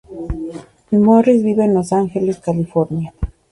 Morris vive en Los Ángeles, California.